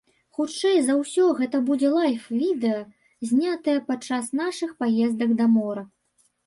Хутчэй за ўсё, гэта будзе лайф-відэа, знятае падчас нашых паездак да мора.